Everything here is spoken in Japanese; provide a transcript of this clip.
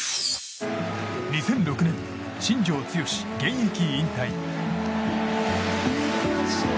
２００６年、新庄剛志現役引退。